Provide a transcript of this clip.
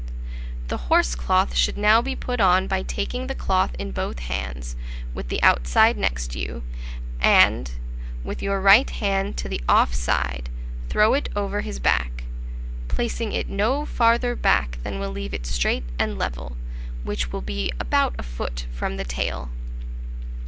The horsecloth should now be put on by taking the cloth in both hands, with the outside next you, and, with your right hand to the off side, throw it over his back, placing it no farther back than will leave it straight and level, which will be about a foot from the tail.